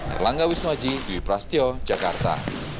erlangga wisnuaji dwi prasetyo jakarta